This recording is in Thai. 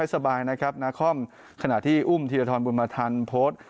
สบายนะครับนาคอมขณะที่อุ้มธีรทรบุญมาทันโพสต์